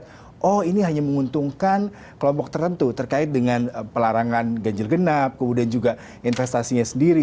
apakah oh ini hanya menguntungkan kelompok tertentu terkait dengan pelarangan ganjil genap kemudian juga investasinya sendiri